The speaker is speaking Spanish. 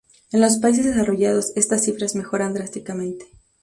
En los países desarrollados estas cifras mejoran drásticamente.